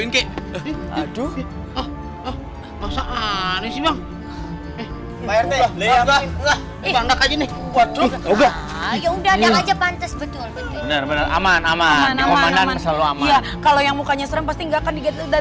ya udah aja pantas betul betul aman aman aman kalau yang mukanya pasti enggakkan